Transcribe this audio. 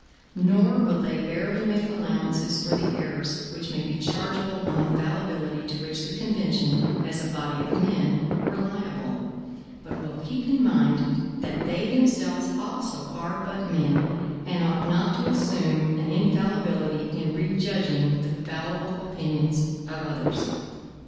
Nor will they barely make allowances for the errors which may be chargeable on the fallibility to which the convention, as a body of men, were liable; but will keep in mind, that they themselves also are but men, and ought not to assume an infallibility in rejudging the fallible opinions of others.